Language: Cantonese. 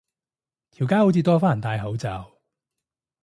條街好似多返人戴口罩